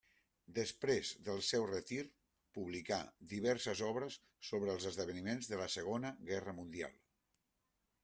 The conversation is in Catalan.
Després del seu retir, publicà diverses obres sobre els esdeveniments de la Segona Guerra Mundial.